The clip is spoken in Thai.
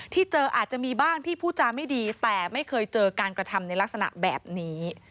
ที่เจออาจจะมีบ้างที่พูดจาไม่ดีแต่ไม่เคยเจอการกระทำในลักษณะแบบนี้